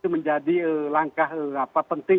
menjadi langkah penting